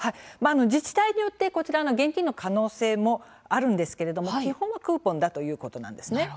自治体によって現金の可能性があるんですけれども基本はクーポンということです。